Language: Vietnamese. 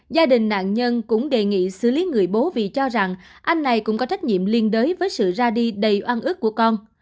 gia đình nạn nhân cũng đề nghị xử lý người bố vì cho rằng anh này cũng có trách nhiệm liên đới với sự ra đi đầy oan ức của con